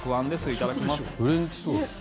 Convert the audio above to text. いただきます。